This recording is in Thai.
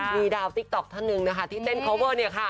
มีดาวติ๊กต๊อกท่านึงที่เต้นการเพลี่ยดนี้ค่ะ